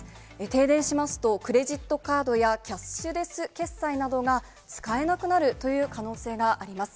停電しますと、クレジットカードやキャッシュレス決済などが使えなくなるという可能性があります。